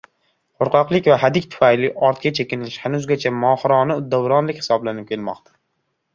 Qo‘rqoqlik va hadik tufayli ortga chekinish hanuzgacha mohirona uddaburonlik hisoblanyb kelmoqda.